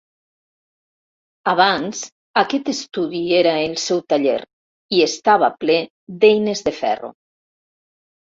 Abans aquest estudi era el seu taller i estava ple d'eines de ferro.